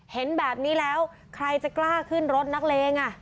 เห็นแบบนี้แล้วใครจะกล้าขึ้นรถนักเลง